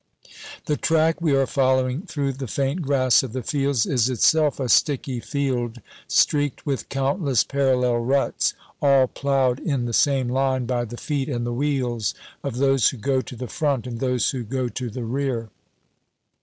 The track we are following through the faint grass of the fields is itself a sticky field streaked with countless parallel ruts, all plowed in the same line by the feet and the wheels of those who go to the front and those who go to the rear.